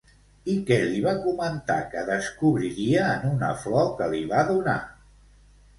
I què li va comentar que descobriria en una flor que li va donar?